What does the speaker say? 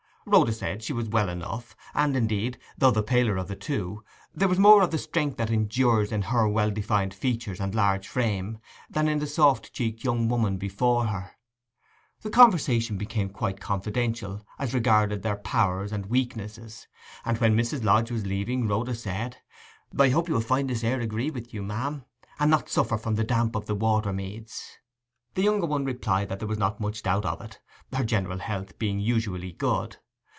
Rhoda said she was well enough; and, indeed, though the paler of the two, there was more of the strength that endures in her well defined features and large frame, than in the soft cheeked young woman before her. The conversation became quite confidential as regarded their powers and weaknesses; and when Mrs. Lodge was leaving, Rhoda said, 'I hope you will find this air agree with you, ma'am, and not suffer from the damp of the water meads.' The younger one replied that there was not much doubt of it, her general health being usually good.